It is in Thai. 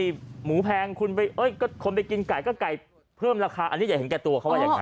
ผู้ประกอบการอ๋อเหรอบอกว่าอย่าเห็นแก่ตัว